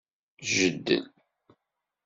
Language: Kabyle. Jeddel.